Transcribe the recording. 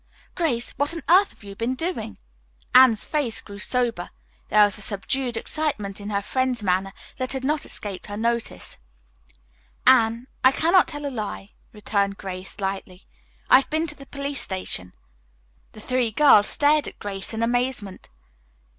"Grace, what on earth have you been doing?" Anne's face grew sober. There was a subdued excitement in her friend's manner that had not escaped her notice. "Anne, I cannot tell a lie," returned Grace lightly. "I've been to the police station." The three girls stared at Grace in amazement.